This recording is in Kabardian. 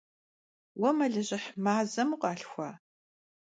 Vue melıjıh mazem vukhalhxua?